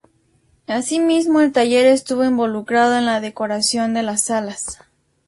Asimismo, el taller estuvo involucrado en la decoración de las salas.